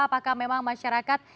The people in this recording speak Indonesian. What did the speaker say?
apakah memang masyarakat